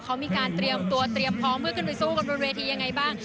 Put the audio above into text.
เขามีการเตรียมตัวเตรียมพร้อมเพื่อขึ้นไปสู้กันบนเวทียังไงบ้าง